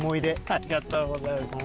ありがとうございます。